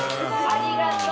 ありがとう。